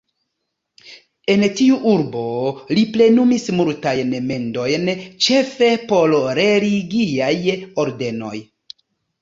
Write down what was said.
En tiu urbo li plenumis multajn mendojn, ĉefe por religiaj ordenoj.